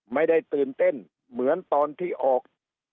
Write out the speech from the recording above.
ไม่ได้ตื่นเต้นเหมือนตอนที่ออก